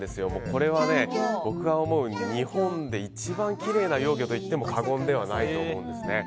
これは僕が思うに日本で一番きれいな幼魚と言っても過言ではないと思うんですね。